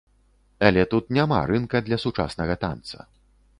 Але тут няма рынка для сучаснага танца.